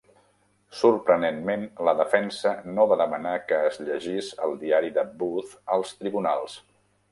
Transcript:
Sorprenentment, la defensa no va demanar que es llegís el diari de Booth als tribunals.